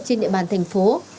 trên địa bàn thành phố